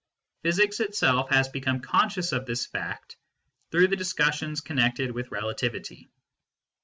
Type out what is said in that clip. Physics itself has become conscious of this fact through the dis cussions connected with relativity.